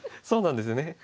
そうなんですよね。